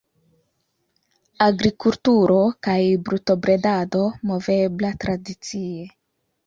Agrikulturo kaj brutobredado movebla tradicie.